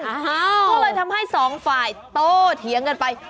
ก็เลยทำให้สองฝ่ายโตเถียงกันไป